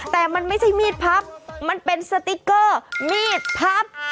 แต่มันไม่ใช่มีดพับมันเป็นสติ๊กเกอร์มีดพับ